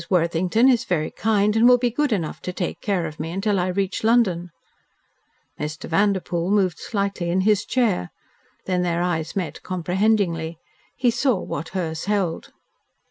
Worthington is very kind and will be good enough to take care of me until I reach London." Mr. Vanderpoel moved slightly in his chair. Then their eyes met comprehendingly. He saw what hers held.